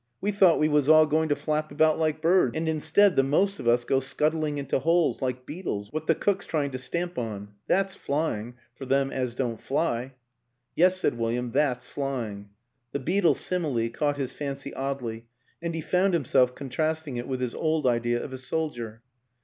We thought we was all going to flap about like birds and instead the most of us go scuttling into holes like beetles what the cook's trying to stamp on. That's flying for them as don't fly." " Yes," said William, " that's flying." The beetle simile caught his fancy oddly, and he found himself contrasting it with his old idea of a sol dier.